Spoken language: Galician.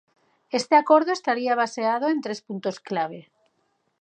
Este acordo estaría baseado en tres puntos clave.